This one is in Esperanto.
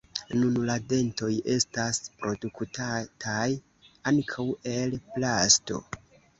Nun la dentoj estas produktataj ankaŭ el plasto.